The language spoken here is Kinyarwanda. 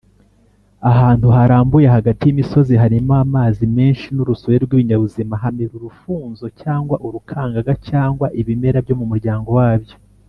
ahantu harambuye hagati y’imisozi harimo amazi menshi n’urusobe rw’ibinyabuzima hamera urufunzo cyangwa urukangaga cyangwa ibimera byo mu muryango wabyo